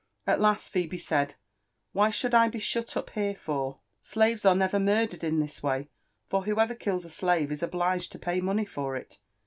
At last Phebe said, '' Why should I be shut up here for? Slaves are never murdered in this way — for whoever kills a slave is obliged to pay money for it.